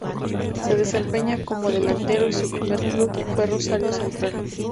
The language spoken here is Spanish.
Se desempeñaba como delantero y su primer club fue Rosario Central.